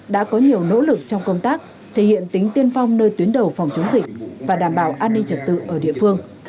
đã có nhiều nỗ lực trong công tác thể hiện tính tiên phong nơi tuyến đầu phòng chống dịch và đảm bảo an ninh trật tự ở địa phương